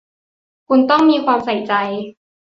คุณต้องมีความใส่ใจ